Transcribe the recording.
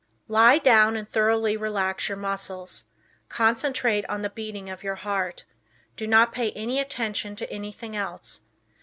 Lie down and thoroughly relax your muscles. Concentrate on the beating of your heart. Do not pay any attention to anything else.